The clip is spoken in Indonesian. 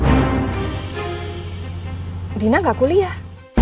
medina gak kuliah